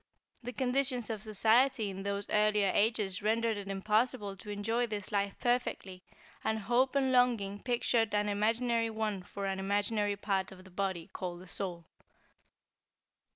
The conditions of society in those earlier ages rendered it impossible to enjoy this life perfectly, and hope and longing pictured an imaginary one for an imaginary part of the body called the Soul.